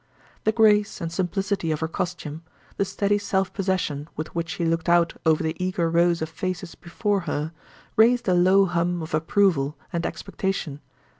The grace and simplicity of her costume, the steady self possession with which she looked out over the eager rows of faces before her, raised a low hum of approval and expectation.